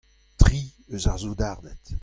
Tri eus ar soudarded.